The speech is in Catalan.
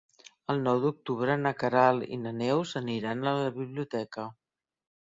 El nou d'octubre na Queralt i na Neus aniran a la biblioteca.